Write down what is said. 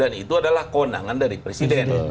dan itu adalah keundangan dari presiden